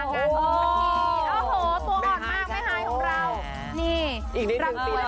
ตัวอดมากไม่ไฮของเรา